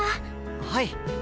はい。